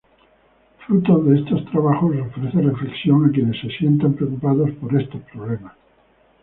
Fruto de estos trabajos ofrece reflexión a quienes se sientan preocupados por estos problemas.